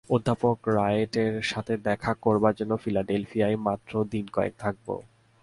অধ্যাপক রাইটের সঙ্গে দেখা করবার জন্যই ফিলাডেলফিয়ায় মাত্র দিনকয়েক থাকব।